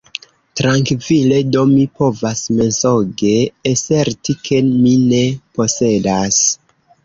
Trankvile do mi povas mensoge aserti, ke mi ne posedas.